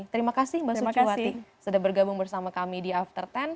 terima kasih mbak suciwati sudah bergabung bersama kami di after sepuluh